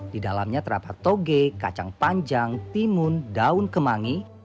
di dalamnya terdapat toge kacang panjang timun daun kemangi